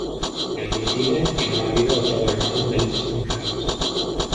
Pero coinciden que no ha habido otro gobernador de luces tan claras.